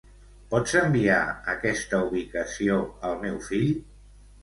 Pots enviar aquesta ubicació al meu fill?